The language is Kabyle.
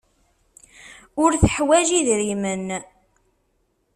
Ur teḥwaj idrimen.